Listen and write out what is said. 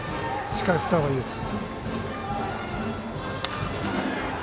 しっかり振った方がいいです。